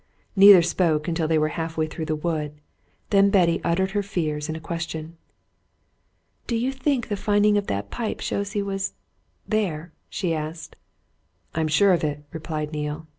Neither spoke until they were half way through the wood; then Betty uttered her fears in a question. "Do you think the finding of that pipe shows he was there?" she asked. "I'm sure of it," replied Neale.